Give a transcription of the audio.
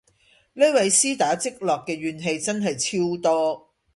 呢位絲打積落嘅怨氣真係超多